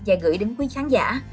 và gửi đến quý khán giả